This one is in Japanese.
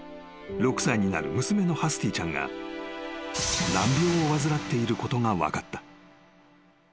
［６歳になる娘のハスティちゃんが難病を患っていることが分かった］